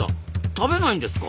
食べないんですか？